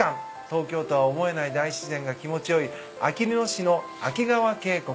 東京とは思えない大自然が気持ち良いあきる野市の秋川渓谷。